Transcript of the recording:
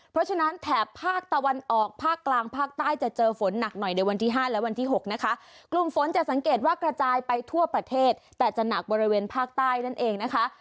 เพราะฉะนั้นแถบภาคตะวันออกภาคกลางภาคใต้จะเจอฝนหนักหน่อยในวันที่ห้าและวันที่๖นะคะกลุ่มฝนจะสังเกตว่ากระจายไปทั่วประเทศแต่จะหนักบริเวณภาคใต้นั่นเองนะคะ